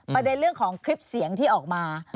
ประเด็นเรื่องของคลิปเสียงที่ออกมา